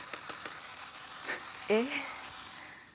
えっ？